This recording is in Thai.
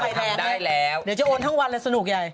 ทำได้แล้วเดี๋ยวจะโอนทั้งวันเลยสนุกใหญ่